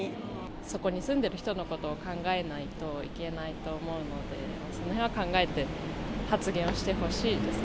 そこに住んでる人のことを考えないといけないと思うので、そのへんは考えて発言をしてほしいですね。